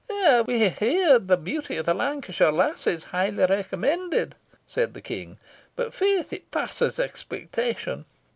"We hae heard the beauty of the Lancashire lassies highly commended," said the King; "but, faith! it passes expectation.